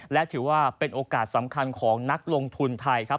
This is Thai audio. และถือว่าเป็นโอกาสสำคัญของนักลงทุนไทยครับ